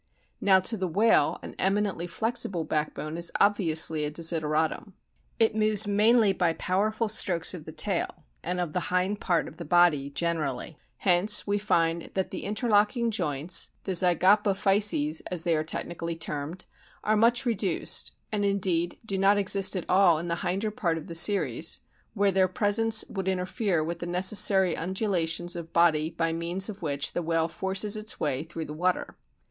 Now to the whale an eminently flexible backbone is obviously a desideratum. It moves mainly by powerful strokes of the tail and of the hind part of the body generally. Hence we find that the interlocking joints, the zygapophyses as they are technically termed, are much reduced, and indeed do not exist at all in the hinder part of the series, where their presence would interfere with the necessary undulations of body by means of which the whale forces its way through the water.